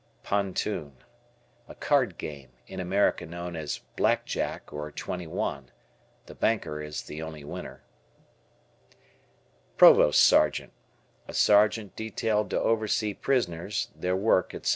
Pontoon. A card game, in America known as "Black Jack" or "Twenty One." The banker is the only winner. Provost Sergeant. A sergeant detailed to oversee prisoners, their work, etc.